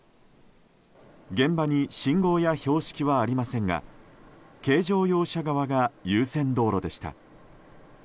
現場に信号や標識はありませんが軽乗用車側が優先道路でした。